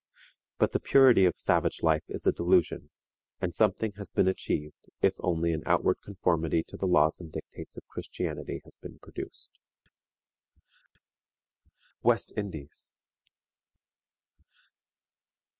But the purity of savage life is a delusion, and something has been achieved if only an outward conformity to the laws and dictates of Christianity has been produced. WEST INDIES.